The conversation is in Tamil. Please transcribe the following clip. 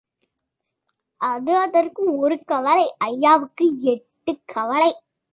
அது அதற்கு ஒரு கவலை ஐயாவுக்கு எட்டுக் கவலை.